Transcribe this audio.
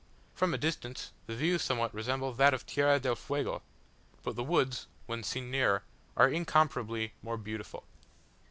From a distance the view somewhat resembles that of Tierra del Fuego; but the woods, when seen nearer, are incomparably more beautiful.